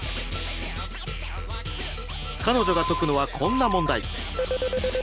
彼女が解くのはこんな問題。